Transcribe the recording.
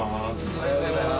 おはようございます。